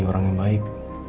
orang yang baik